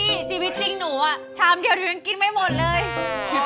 นี่ชีวิตจริงหนูอ่ะชามเดียวถึงกินไม่หมดเลย